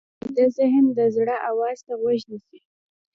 ویده ذهن د زړه آواز ته غوږ نیسي